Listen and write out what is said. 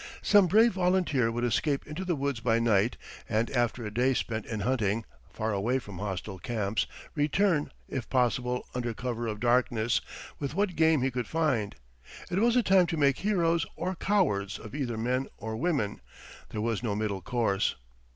Some brave volunteer would escape into the woods by night, and after a day spent in hunting, far away from hostile camps, return, if possible under cover of darkness, with what game he could find. It was a time to make heroes or cowards of either men or women there was no middle course.